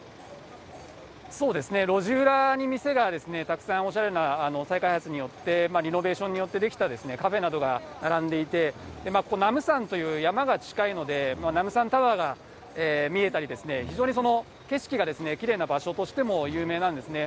そうですね、路地裏に店がたくさんおしゃれな、再開発によってリノベーションによって出来たカフェなどが並んでいて、ナムサンという山が近いので、ナムサンタワーが見えたりですね、非常に景色がきれいな場所としても有名なんですね。